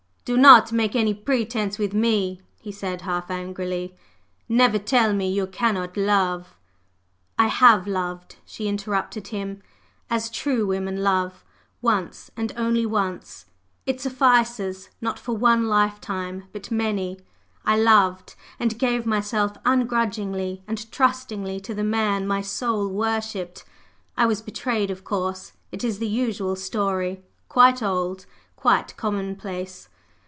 "Do not make any pretence with me!" he said half angrily. "Never tell me you cannot love! …" "I have loved!" she interrupted him. "As true women love, once, and only once. It suffices; not for one lifetime, but many. I loved; and gave myself ungrudgingly and trustingly to the man my soul worshipped. I was betrayed, of course! it is the usual story quite old, quite commonplace!